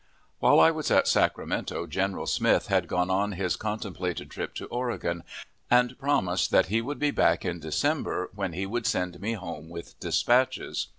While I was at Sacramento General Smith had gone on his contemplated trip to Oregon, and promised that he would be back in December, when he would send me home with dispatches.